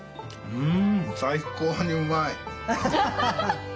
うん。